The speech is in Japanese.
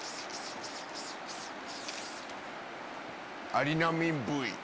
アリナミンＶ！